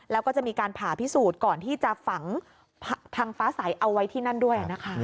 แล้วก็จะมีการผ่าพิสูจน์ก่อนที่จะฝังทางฟ้าใสเอาไว้ที่นั่นด้วยนะคะ